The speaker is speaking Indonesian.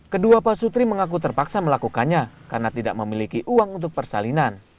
kedua pasutri mengaku terpaksa melakukannya karena tidak memiliki uang untuk persalinan